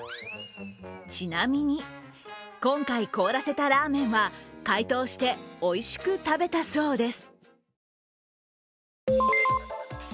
ちなみに、今回凍らせたラーメンは解凍しておいしく食べたそうです。